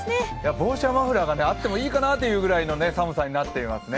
帽子やマフラーがあってもいいかなってぐらいの寒さになっていますね。